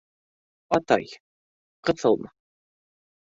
Атай, ҡыҫылма...